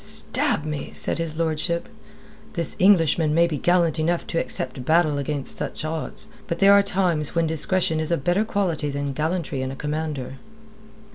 "Stab me!" said his lordship. "This Englishman may be gallant enough to accept battle against such odds. But there are times when discretion is a better quality than gallantry in a commander."